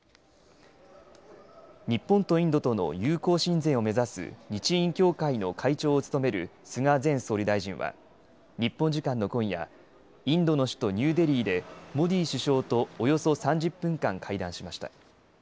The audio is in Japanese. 日本とインドとの友好親善を目指す日印協会の会長を務める菅前総理大臣は日本時間の今夜インドの首都ニューデリーでモディ首相とおよそ３０分間、会談しました。